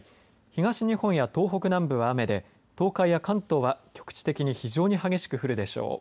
東日本や東北南部は雨で東海や関東は局地的に非常に激しく降るでしょう。